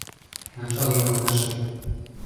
Ончал-ян окнашке: